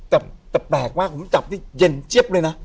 แต่แปลกมากผมจับนี่เย็นเจี๊ยบเลยนะ